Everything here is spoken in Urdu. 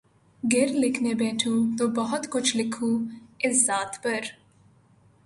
گر لکھنے بیٹھوں تو بہت کچھ لکھوں اس ذات پر